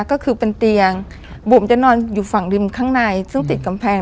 ก็คือเป็นเตียงบุ๋มจะนอนอยู่ฝั่งริมข้างในซึ่งติดกำแพง